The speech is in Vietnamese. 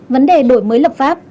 vấn đề đổi mới lập pháp